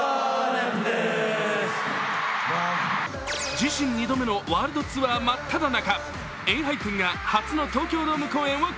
自身２度目のワールドツアーまっただ中。